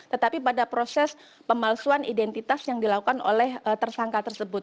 tetapi pada proses pemalsuan identitas yang dilakukan oleh tersangka tersebut